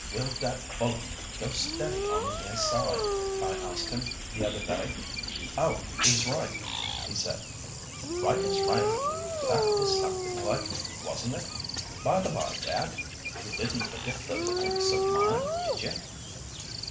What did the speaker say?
'Will that bullock go steady on the near side?' I asked him the other day. 'Oh! he's right,' he said; 'right as rain!' That was something like, wasn't it? By the bye, dad, you didn't forget those books of mine, did you?"